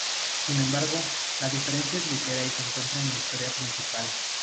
Sin embargo, la diferencia es ligera y se encuentra en la historia principal.